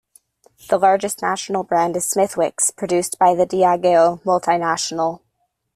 The largest national brand is Smithwick's, produced by the Diageo multinational.